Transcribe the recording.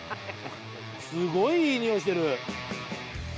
すごいいい匂いしてる。